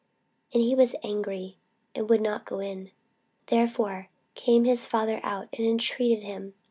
And he was angry, and would not go in: therefore came his father out, and intreated him.